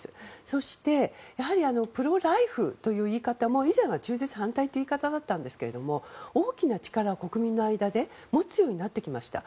そして、やはりプロ・ライフという言い方も以前は中絶反対という言い方だったんですが大きな力を国民の間で持つようになってきました。